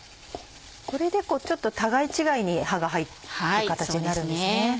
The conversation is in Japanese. これでちょっと互い違いに刃が入る形になるんですね。